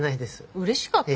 うれしかったの？